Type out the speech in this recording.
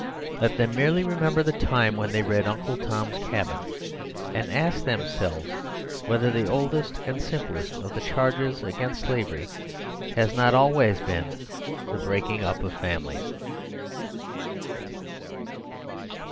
Let them merely remem ber the time when they read "Uncle Tom's Cabin," and ask themselves whether the oldest and simplest of the charges against slavery has not always been the breaking up of families.